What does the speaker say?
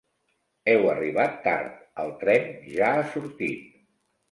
Heu arribat tard: el tren ja ha sortit.